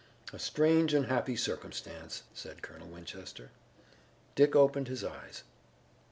"A strange and happy circumstance," said Colonel Winchester. Dick opened his eyes.